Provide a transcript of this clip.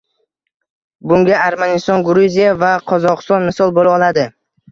Bunga Armaniston, Gruziya va Qozog'iston misol bo'la oladi